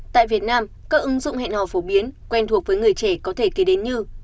tại việt nam các ứng dụng hẹn hò phổ biến quen thuộc với người trẻ có thể kể đến như